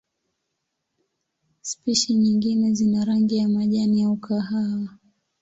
Spishi nyingine zina rangi ya majani au kahawa.